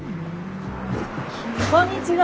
こんにちは。